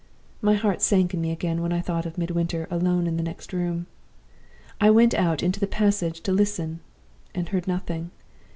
My heart sank in me again when I thought of Midwinter alone in the next room. "I went out into the passage to listen, and heard nothing.